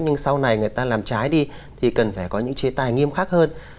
nhưng sau này người ta làm trái đi thì cần phải có những chế tài nghiêm khắc hơn